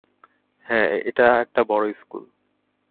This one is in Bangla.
হ্যাঁ, এটা একটা বড় স্কুল।